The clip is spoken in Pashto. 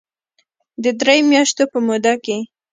د درې مياشتو په موده کې